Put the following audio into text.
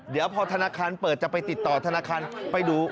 เดี๋ยวพอธนาคารเปิดจะไปติดต่อธนาคารไปดู